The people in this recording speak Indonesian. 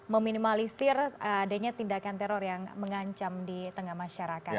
meminimalisir adanya tindakan teror yang mengancam di tengah masyarakat